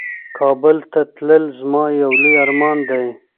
کابل ته تلل زما یو لوی ارمان دی.